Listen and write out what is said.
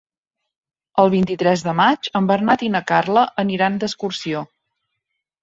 El vint-i-tres de maig en Bernat i na Carla aniran d'excursió.